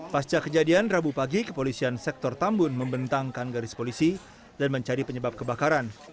pasca kejadian rabu pagi kepolisian sektor tambun membentangkan garis polisi dan mencari penyebab kebakaran